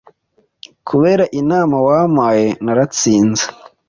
Kubera inama wampaye, naratsinze.